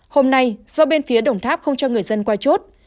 hôm nay do bên phía đồng tháp không cho người dân qua chốt